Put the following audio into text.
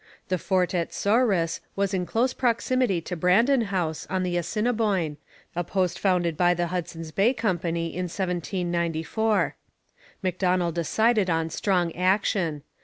The fort at Souris was in close proximity to Brandon House on the Assiniboine, a post founded by the Hudson's Bay Company in 1794. Macdonell decided on strong action.